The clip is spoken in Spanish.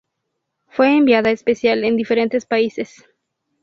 Fue enviada especial en diferentes países.